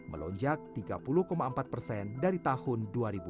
melonjak tiga puluh empat persen dari tahun dua ribu dua puluh